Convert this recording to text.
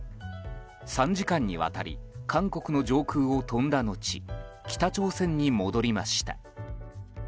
３時間にわたり韓国の上空を飛んだ後北朝鮮に戻りました。